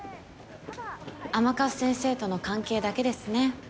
甘春先生との関係だけですね。